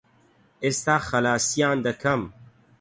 ئێستا خەلاسیان دەکەم.